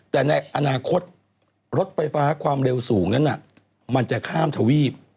แต่ในอนาคตรถไฟฟ้าความเร็วสูงนั้นมันจะข้ามทวีป